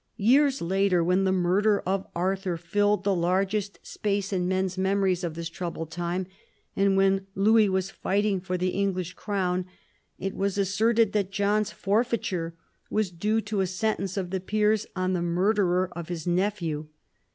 Years later, when the murder of Arthur filled the largest space in men's memories of this troubled time, and when Louis was fighting for the English crown, it was asserted that John's forfeiture was due to a sentence of the peers on the murderer of his nephew.